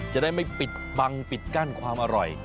จะได้ไม่ปิดบังปิดกั้นความอร่อย